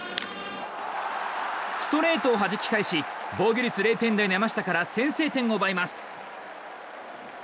ストレートをはじき返し防御率０点台の山下から先制点を奪います。